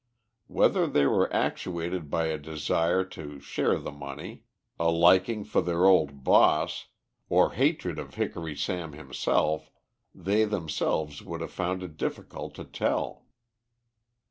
Whether they were actuated by a desire to share the money, a liking for their old "boss," or hatred of Hickory Sam himself, they themselves would have found it difficult to tell.